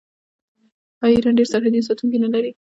آیا ایران ډیر سرحدي ساتونکي نلري؟